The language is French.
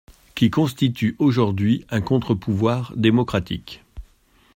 …qui constitue aujourd’hui un contre-pouvoir démocratique.